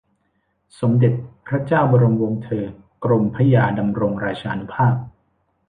สมเด็จพระเจ้าบรมวงศเธอ กรมพระยาดำรงราชานุภาพ